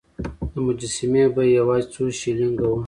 د مجسمې بیه یوازې څو شیلینګه وه.